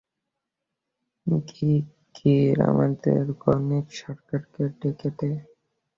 শিগগির আমাদের গণেশ সরকারকে ডেকে দে।